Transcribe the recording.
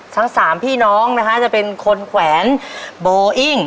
ทั้งสามพี่น้องนะคะจะเป็นคนแขวนโบอิ้ง